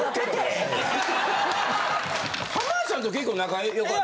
浜田さんと結構仲良かった？